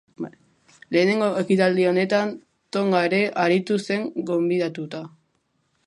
Lehenengo ekitaldi honetan Tonga ere aritu zen gonbidatuta.